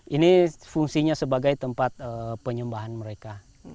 ini fungsinya sebagai tempat penyembahan mereka